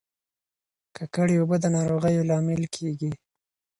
ککړې اوبه د ناروغیو لامل کیږي.